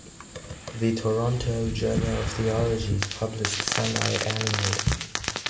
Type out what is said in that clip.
"The Toronto Journal of Theology" is published semi-annually.